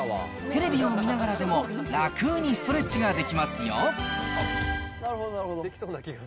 テレビを見ながらでも、楽ーにストレッチができますよ。